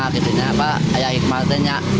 kita harus mengikmahkan